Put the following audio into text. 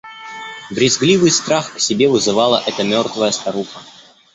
Брезгливый страх к себе вызывала эта мертвая старуха.